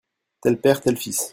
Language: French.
Tel père, tel fils.